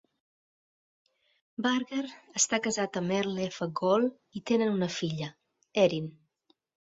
Burger està casat amb Earl F. Gohl i tenen una filla, Erin.